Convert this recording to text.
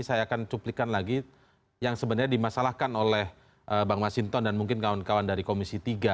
saya akan cuplikan lagi yang sebenarnya dimasalahkan oleh bang masinton dan mungkin kawan kawan dari komisi tiga